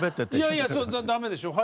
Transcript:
いやいや駄目でしょう。